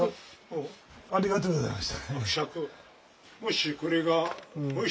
ありがとうございます。